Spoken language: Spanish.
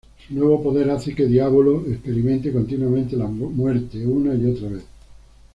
Su nuevo poder hace que Diavolo experimente continuamente la muerte una y otra vez.